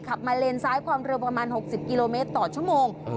ขับมาเลนซ้ายความเร็วประมาณ๖๐กิโลเมตรต่อชั่วโมง